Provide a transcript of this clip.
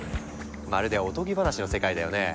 まるでおとぎ話の世界だよね。